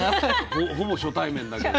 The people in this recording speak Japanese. ほぼ初対面だけど。